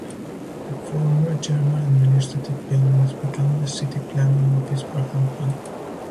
The former German administrative buildings become the city planning office for Hamhung.